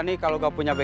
ini kayak kaya boleh